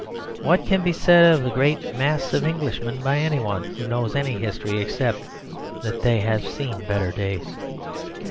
What can be said of the great mass of Englishmen, by anyone who knows any history, except that they have seen better days?